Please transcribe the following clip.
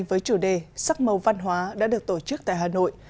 với chủ đề sắc màu văn hóa đã được tổ chức tại hà nội